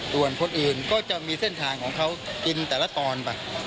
ส่วนคนอื่นก็จะมีเส้นทางของเขากินแต่ละตอนไป